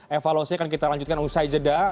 evaluasi akan kita lanjutkan usai jeda